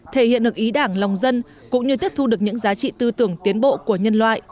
thể hiện được ý đảng lòng dân cũng như tiếp thu được những giá trị tư tưởng tiến bộ của nhân loại